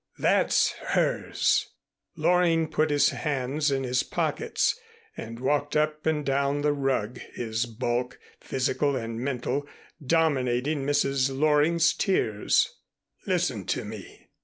That's hers." Loring put his hands in his pockets and walked up and down the rug, his bulk, physical and mental, dominating Mrs. Loring's tears. "Listen to me.